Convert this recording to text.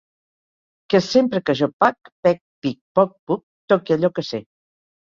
Que sempre que jo pac, pec, pic, poc, puc, toque allò que sé.